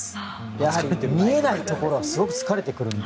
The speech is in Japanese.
やはり見えないところですごく疲れてくるので。